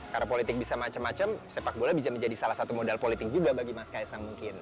karena politik bisa macam macam sepak bola bisa menjadi salah satu modal politik juga bagi mas kaisang mungkin